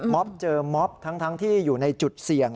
เจอม็อบทั้งที่อยู่ในจุดเสี่ยง